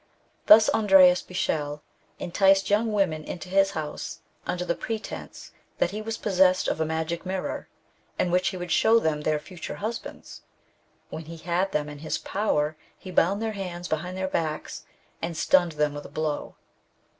Thus Andreas Bichel enticed young women into his house, under the pretence that he was possessed of a magic mirror, in which he would show them their future husbands ; when he had them in his power he bound their hands behind their backs, and stunned them with a blow.